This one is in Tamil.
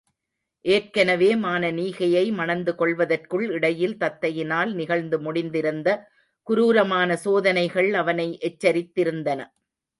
ஏற்கெனவே மானனீகையை மணந்து கொள்வதற்குள் இடையில் தத்தையினால் நிகழ்ந்து முடிந்திருந்த குரூரமான சோதனைகள் அவனை எச்சரித்திருந்தன.